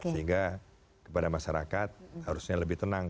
sehingga kepada masyarakat harusnya lebih tenang